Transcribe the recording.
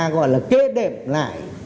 gọi là kê đệm lại